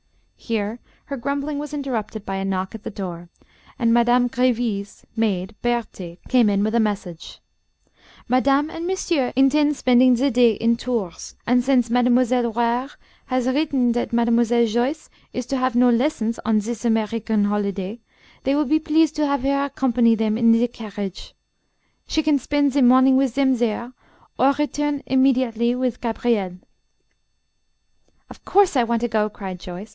Here her grumbling was interrupted by a knock at the door, and Madame Gréville's maid, Berthé, came in with a message. "Madame and monsieur intend spending the day in Tours, and since Mademoiselle Ware has written that Mademoiselle Joyce is to have no lessons on this American holiday, they will be pleased to have her accompany them in the carriage. She can spend the morning with them there or return immediately with Gabriel." "Of course I want to go," cried Joyce.